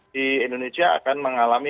di indonesia akan mengalami